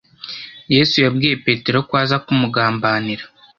Yesu yabwiye petero ko aza kumugambanira